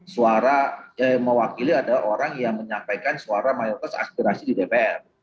suara mewakili adalah orang yang menyampaikan suara mayoritas aspirasi di dpr